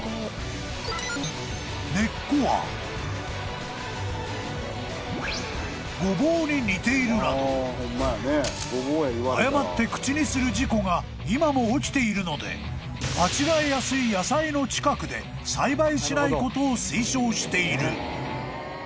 ［根っこはゴボウに似ているなど誤って口にする事故が今も起きているので間違えやすい野菜の近くで栽培しないことを推奨している］